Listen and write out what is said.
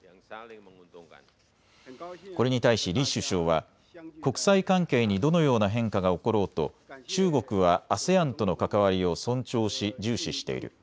これに対し李首相は国際関係にどのような変化が起ころうと中国はＡＳＥＡＮとの関わりを尊重し、重視している。